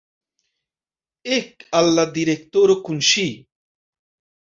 Ek al la direktoro kun ŝi!